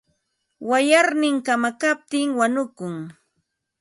Wayarnin kamakaptin wanukun.